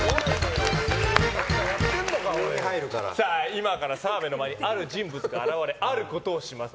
今から澤部の前にある人物が現れあることをします。